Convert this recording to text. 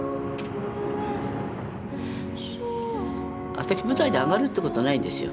私舞台であがるってことないんですよ。